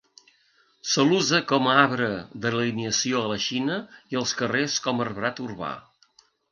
Se l'usa com a arbre d'alineació a la Xina i als carrers com arbrat urbà.